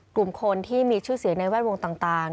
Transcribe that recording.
กลุ่มคนที่มีชื่อเสียงในแวดวงต่าง